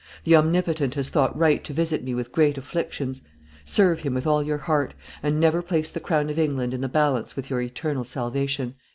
The Omnipotent has thought right to visit me with great afflictions; serve Him with all your heart, and never place the crown of England in the balance with your eternal salvation."